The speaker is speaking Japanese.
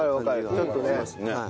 ちょっとね。